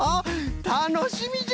たのしみじゃ！